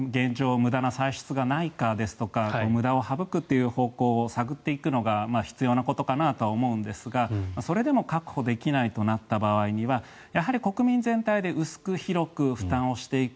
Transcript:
無駄な歳出がないかですとか無駄を省くという方向を探っていくのが必要なことかなとは思うんですがそれでも確保できないとなった場合にはやはり国民全体で薄く広く負担をしていく。